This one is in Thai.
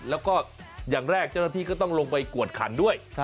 แล้วก็อย่างแรกเจ้าหน้าที่ก็ต้องลงไปกวดขันด้วย